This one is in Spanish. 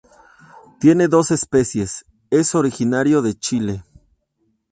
Tiene dos especies Es originario de Chile.